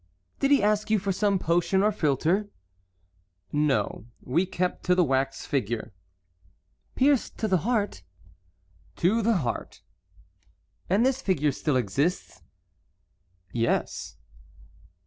"Did he ask you for some potion or philter?" "No, we kept to the wax figure." "Pierced to the heart?" "To the heart." "And this figure still exists?" "Yes."